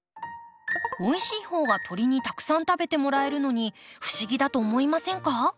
おいしい方が鳥にたくさん食べてもらえるのに不思議だと思いませんか？